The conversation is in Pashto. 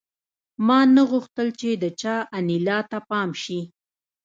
ما نه غوښتل چې د چا انیلا ته پام شي